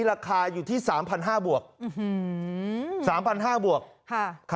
ราคายถือลิข่าววิทยาลัย๓๕๐๐บวก